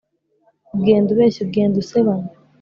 ugenda ubeshya ugenda usebanya